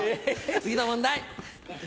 次の問題！